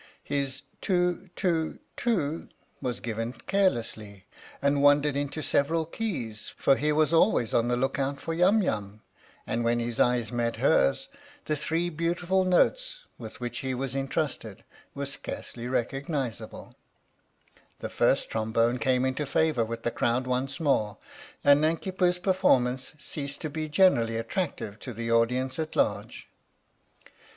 His "Too, too, too" was given care lessly and wandered into several keys, for he was 6 THEIR EYES MET THE STORY OF THE MIKADO always on the look out for Yum Yum, and when his eyes met hers the three beautiful notes with which he was entrusted were scarcely recognizable. The First Trombone came into favour with the crowd once more, and Nanki Poo's performance ceased to be generally attractive to the audience at large.